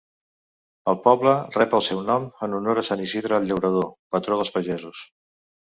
El poble rep el seu nom en honor a Sant Isidre el Llaurador, patró dels pagesos.